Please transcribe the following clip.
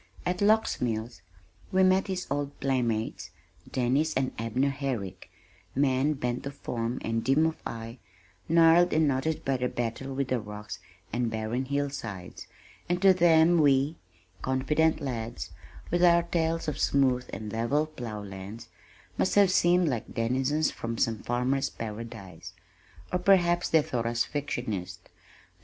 At Locks Mills, we met his old playmates, Dennis and Abner Herrick, men bent of form and dim of eye, gnarled and knotted by their battle with the rocks and barren hillsides, and to them we, confident lads, with our tales of smooth and level plow lands, must have seemed like denizens from some farmers' paradise, or perhaps they thought us fictionists.